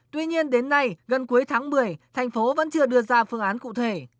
tuy nhiên đến nay gần cuối tháng một mươi thành phố vẫn chưa đưa ra phương án cụ thể